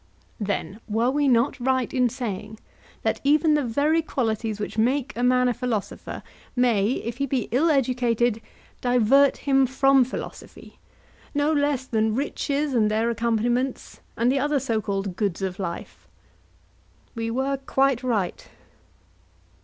Then were we not right in saying that even the very qualities which make a man a philosopher may, if he be ill educated, divert him from philosophy, no less than riches and their accompaniments and the other so called goods of life? We were quite right.